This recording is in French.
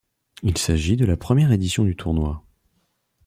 Il s'agit de la première édition du tournoi.